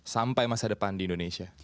sampai masa depan di indonesia